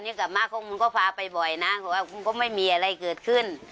นี่กับมากมันก็พาไปบ่อยนะเพราะว่ามันก็ไม่มีอะไรเกิดขึ้น